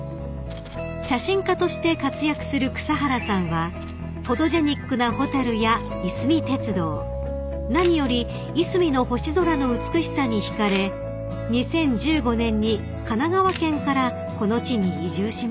［写真家として活躍する草原さんはフォトジェニックな蛍やいすみ鉄道何よりいすみの星空の美しさに引かれ２０１５年に神奈川県からこの地に移住しました］